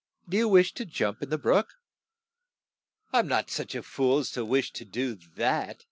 "Do you wish to jump in the brook ?' "I am not such a fool as to wish to do that